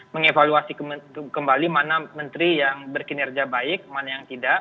mengevaluasi kembali mana menteri yang berkinerja baik mana yang tidak